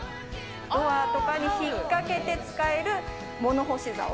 ドアとかに引っ掛けて使える、物干しざお。